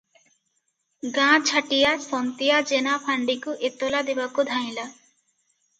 ଗାଁ ଛାଟିଆ ସନ୍ତିଆ ଜେନା ଫାଣ୍ତିକୁ ଏତଲା ଦେବାକୁ ଧାଇଁଲା ।